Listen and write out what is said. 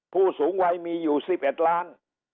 ผู้สูงวัยมีอยู่๑๑ล้าน